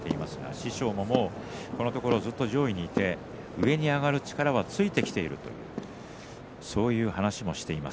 師匠も、このところずっと上位にいて上に上がる力はついてきているそういう話はしています。